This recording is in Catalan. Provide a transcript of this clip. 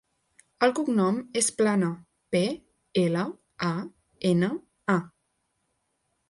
El cognom és Plana: pe, ela, a, ena, a.